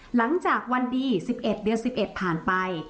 หลังจากวันดี๑๑เดือน๑๑ผ่านไป